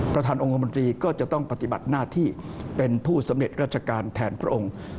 องค์คมนตรีก็จะต้องปฏิบัติหน้าที่เป็นผู้สำเร็จราชการแทนพระองค์